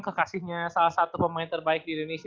kekasihnya salah satu pemain terbaik di indonesia